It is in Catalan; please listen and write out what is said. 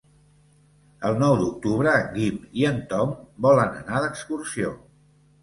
El nou d'octubre en Guim i en Tom volen anar d'excursió.